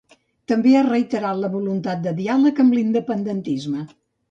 També ha reiterat la voluntat de diàleg amb l'independentisme.